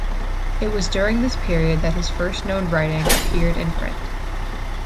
It was during this period that his first known writing appeared in print.